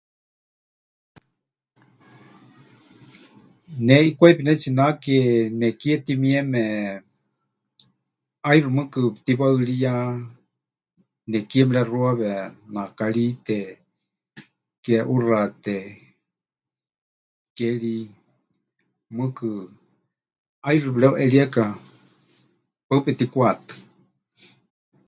Ne ʼikwai pɨnetsinake nekie timieme, ʼaixɨ mɨɨkɨ pɨtiwaɨriya nekie mɨrexuawe, naakarite, kéʼuxate, keri, mɨɨkɨ ʼaixɨ pɨreuʼerieka paɨ petikwatɨ́.